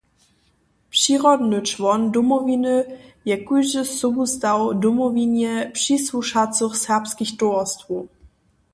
Přirodny čłon Domowiny je kóždy sobustaw Domowinje přisłušacych serbskich towarstwow.